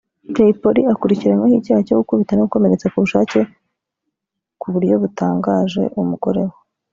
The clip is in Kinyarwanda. Jay Polly akurikiranyweho icyaha cyo ‘gukubita no gukomeretsa ku bushake ku buryo bubabaje’ umugore we